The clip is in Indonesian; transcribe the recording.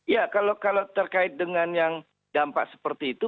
ya kalau terkait dengan yang dampak seperti itu